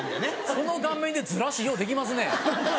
その顔面でずらしようできますね。